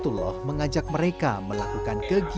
tapi kalau berharga ulang ini